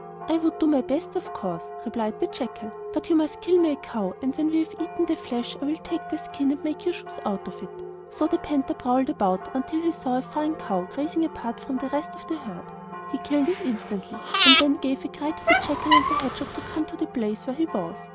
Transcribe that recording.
'I would do my best, of course,' replied the jackal; 'but you must kill me a cow, and when we have eaten the flesh I will take the skin and make your shoes out of it.' So the panther prowled about until he saw a fine cow grazing apart from the rest of the herd. He killed it instantly, and then gave a cry to the jackal and hedgehog to come to the place where he was.